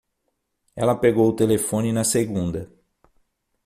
Ela pegou o telefone na segunda.